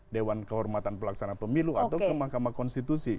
dewan kehormatan pelaksana pemilu atau ke mahkamah konstitusi